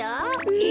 え！？